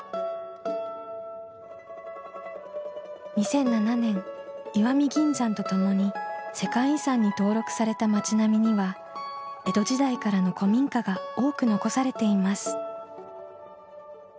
２００７年石見銀山と共に世界遺産に登録された町並みには江戸時代からの古民家が多く残されています。